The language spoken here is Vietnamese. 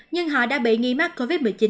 nhưng họ đã bị nghi mắc covid một mươi chín